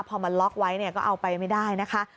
พอมันล็อกไว้เนี่ยก็เอาไปไม่ได้นะคะ